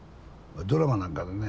ドラマなんかでね